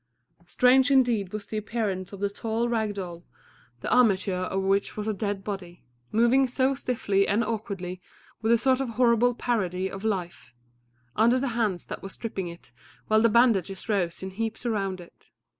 Strange indeed was the appearance of the tall rag doll, the armature of which was a dead body, moving so stiffly and awkwardly with a sort of horrible parody of life, under the hands that were stripping it, while the bandages rose in heaps around it.